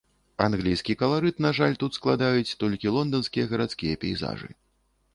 Англійскі каларыт, на жаль, тут складаюць толькі лонданскія гарадскія пейзажы.